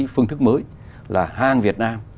phương thức mới là hàng việt nam